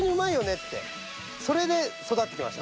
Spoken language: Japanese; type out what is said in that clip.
ってそれで育ってきました。